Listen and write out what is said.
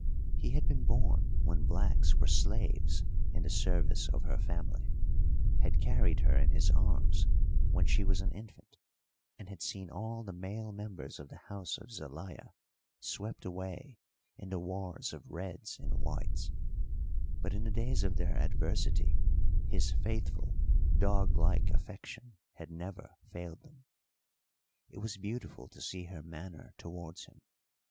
He had been born when blacks were slaves in the service of her family, had carried her in his arms when she was an infant, and had seen all the male members of the house of Zelaya swept away in the wars of Reds and Whites; but in the days of their adversity his faithful, dog like affection had never failed them. It was beautiful to see her manner towards him.